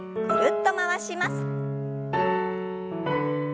ぐるっと回します。